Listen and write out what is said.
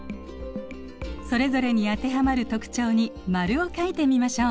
それぞれに当てはまる特徴に〇を書いてみましょう。